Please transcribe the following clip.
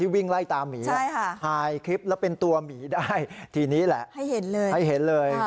วิ่งไล่ตามหมีถ่ายคลิปแล้วเป็นตัวหมีได้ทีนี้แหละให้เห็นเลย